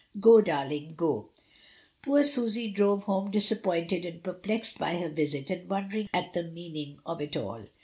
"Go, darling, go." Poor Susy drove home disappointed and per plexed by her visit, and wondering at the meaning of it all.